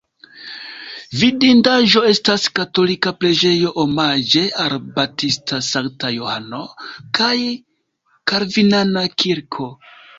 Vidindaĵo estas katolika preĝejo omaĝe al Baptista Sankta Johano kaj kalvinana kirko.